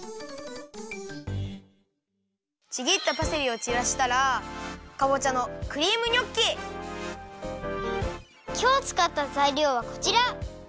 ちぎったパセリをちらしたらきょうつかったざいりょうはこちら！